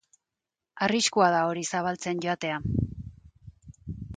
Arriskua da hori zabaltzen joatea.